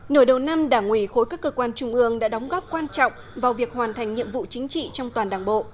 nửa đầu năm đảng ủy khối các cơ quan trung ương đã đóng góp quan trọng vào việc hoàn thành nhiệm vụ chính trị trong toàn đảng bộ